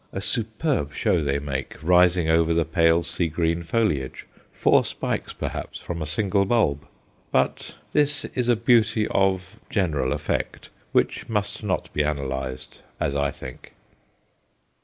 A superb show they make, rising over the pale sea green foliage, four spikes perhaps from a single bulb. But this is a beauty of general effect, which must not be analyzed, as I think.